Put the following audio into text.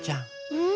うん？